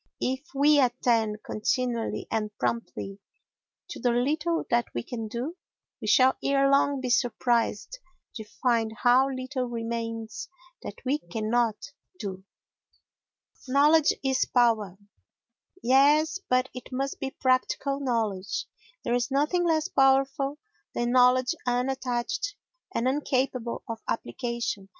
If we attend continually and promptly to the little that we can do, we shall ere long be surprised to find how little remains that we cannot do. Knowledge is Power Yes, but it must be practical knowledge. There is nothing less powerful than knowledge unattached, and incapable of application.